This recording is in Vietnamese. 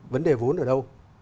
vấn đề vốn ở đâu